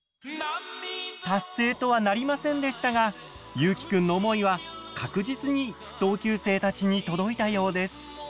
達成とはなりませんでしたがゆうきくんの思いは確実に同級生たちに届いたようです。